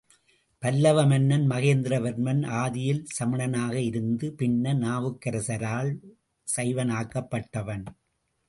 பல்லவ மன்னன் மகேந்திரவர்மன் ஆதியில் சமணனாக இருந்து பின்னர் நாவுக்கரசரால் சைவனாக்கப்பட்டவன்.